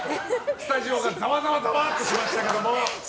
スタジオがざわざわっとしましたけど。